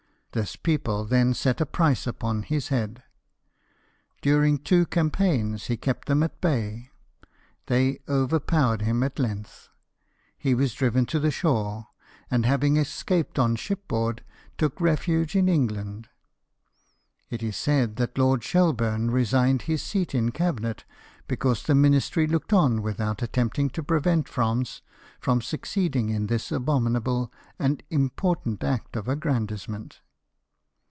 This people then set a price upon his head. During two campaigns he kept them at bay : they overpowered him at length : he was driven to the shore, and, having escaped on ship board, took refuge in England. It is said that Lord Shelburne resigned his seat in the Cabinet because the Ministry looked on without attempting to prevent France from succeeding in this abominable and important act of aggrandisement.